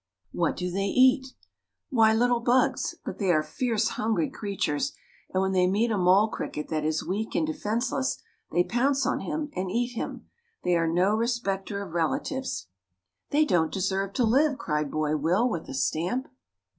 "What do they eat?" "Why, little bugs; but they are fierce, hungry creatures, and when they meet a mole cricket that is weak and defenseless they pounce on him and eat him. They are no respecter of relatives." "They don't deserve to live!" cried Boy Will, with a stamp.